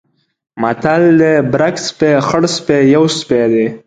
متل دی: برګ سپی، خړسپی یو سپی دی.